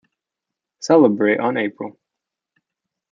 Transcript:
Celebrate on April.